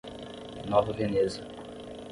Nova Veneza